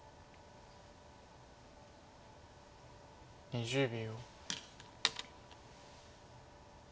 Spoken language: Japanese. ２０秒。